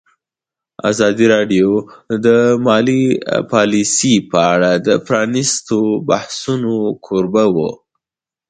ازادي راډیو د مالي پالیسي په اړه د پرانیستو بحثونو کوربه وه.